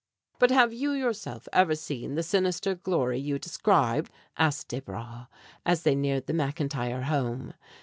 "But have you yourself ever seen the sinister glory you describe?" asked Desbra, as they neared the McIntyre home.